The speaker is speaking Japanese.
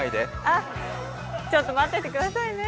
あ、ちょっと待っててくださいね。